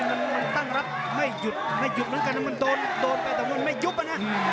มันตั้งรับไม่หยุดไม่หยุดแล้วกันมันโดนโดนไปแต่มันไม่หยุดอันนี้